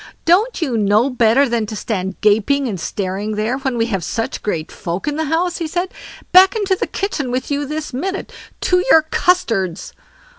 "Don't you know better than to stand gaping and staring there, when we have such great folk in the house", he said; "back into the kitchen with you this minute, to your custards."